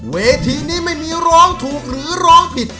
เวทีนี้ไม่มีร้องถูกหรือร้องผิด